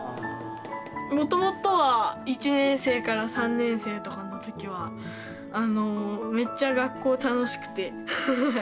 もともとは１年生から３年生とかの時はあのめっちゃ学校楽しくてハハッ。